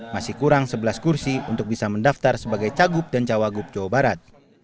masih kurang sebelas kursi untuk bisa mendaftar sebagai cagup dan cawagup jawa barat